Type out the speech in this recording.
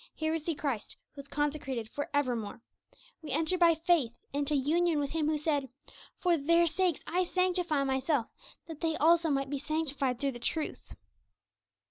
Here we see Christ, 'who is consecrated for evermore.' We enter by faith into union with Him who said, 'For their sakes I sanctify Myself, that they also might be sanctified through the truth.'